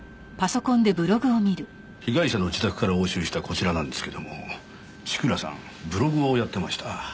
被害者の自宅から押収したこちらなんですけども千倉さんブログをやってました。